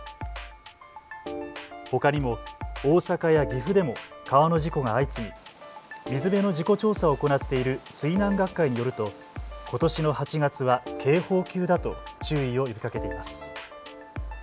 ほかにも、大阪や岐阜でも川の事故が相次ぎ水辺の事故調査を行っている水難学会によるとことしの８月は警報級だと注意を呼びかけています。